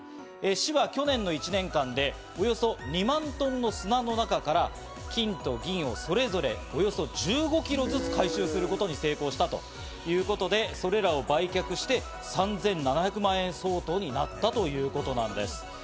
市は去年の１年間で、およそ２万トンの砂の中から金と銀をそれぞれ１５キロずつ回収することに成功したということで、それらを売却して３７００万円相当になったということなんです。